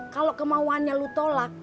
kalo kemauannya lu tolak